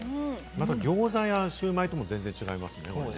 ギョーザやシューマイとも全然違いますね。